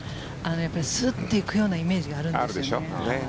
スッと行くようなイメージがあるんでしょうね。